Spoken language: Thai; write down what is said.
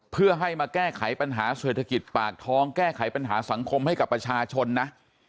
เพื่อให้มาแก้ไขปัญหาเศรษฐกิจปากท้องแก้ไขปัญหาสังคมให้กับประชาชนนะ